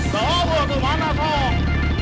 tuh buah kemana sok